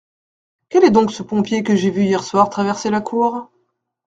Quel est donc ce pompier que j’ai vu hier soir traverser la cour ?